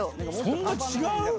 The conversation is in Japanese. そんな違う？